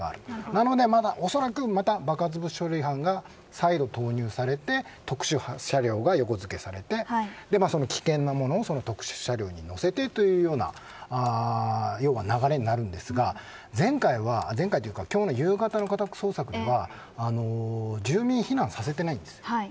なのでまだおそらくまた爆発物処理班が再度投入されて特殊車両が横付けされて危険なものを特殊車両に載せてというような流れになるんですが今日の夕方の家宅捜索では住民を避難させていないんです。